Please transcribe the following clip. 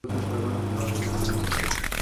La realidad dista mucho de aquella visión idílica.